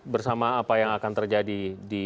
bersama apa yang akan terjadi di